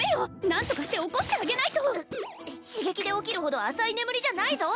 何とかして起こしてあげないと刺激で起きるほど浅い眠りじゃないぞ